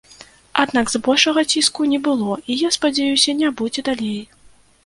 Аднак, збольшага, ціску не было і я спадзяюся, не будзе далей.